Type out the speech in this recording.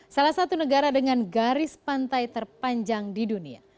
salah satu negara dengan garis pantai terpanjang di dunia